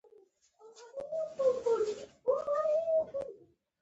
فقهې اصولو پوهان پوهېږي.